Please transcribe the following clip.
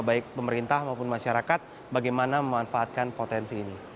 baik pemerintah maupun masyarakat bagaimana memanfaatkan potensi ini